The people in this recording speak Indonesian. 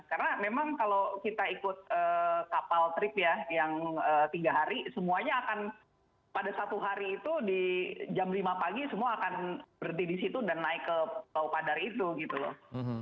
karena memang kalau kita ikut kapal trip ya yang tiga hari semuanya akan pada satu hari itu di jam lima pagi semua akan berdiri di situ dan naik ke pulau padar itu gitu loh